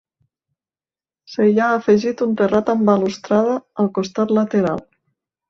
S'hi ha afegit un terrat amb balustrada al cos lateral.